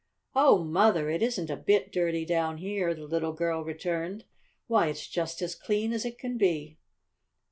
"Oh, Mother, it isn't a bit dirty down here!" the little girl returned. "Why, it's just as clean as it can be!"